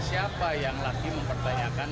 siapa yang lagi mempertanyakan